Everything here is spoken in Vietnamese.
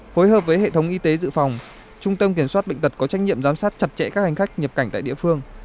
phối hợp với hệ thống y tế dự phòng trung tâm kiểm soát bệnh tật có trách nhiệm giám sát chặt chẽ các hành khách nhập cảnh tại địa phương